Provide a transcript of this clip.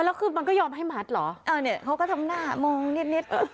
แล้วคือมันก็ยอมให้มัดเหรอเออเนี่ยเขาก็ทำหน้ามองนิดนิด